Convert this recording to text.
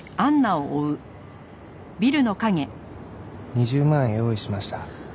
「２０万円用意しました」